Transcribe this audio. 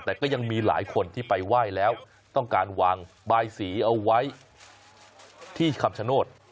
แต่ก็ยังมีหลายคนที่ไปไหว้แล้วต้องการวางบายสีเอาไว้ที่คำชโนธ